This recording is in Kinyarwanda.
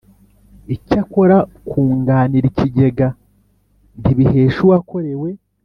Icyakora kunganira ikigega ntibihesha uwakorewe